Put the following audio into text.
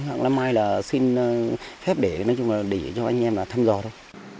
hẳn là mai là xin phép để cho anh em thăm dò thôi